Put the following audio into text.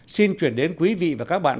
xin chuyển đến quý vị và các bạn